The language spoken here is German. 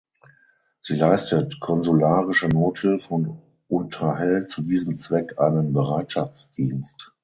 Sie leistet konsularische Nothilfe und unterhält zu diesem Zweck einen Bereitschaftsdienst.